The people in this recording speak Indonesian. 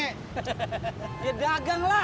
hehehe ya dagang lah